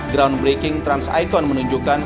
groundbreaking trans icon menunjukkan